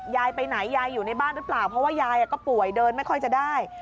ยายไปไหนยายอยู่ในบ้านหรือเปล่าเพราะว่ายายก็ป่วยเดินไม่ค่อยจะได้